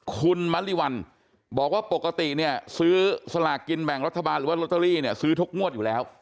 คุณมะลิวัลบอกว่าปกติเนี่ยซื้อสลากกินแบ่งรัฐบาลหรือว่าลอตเตอรี่เนี่ยซื้อทุกงวดอยู่แล้ว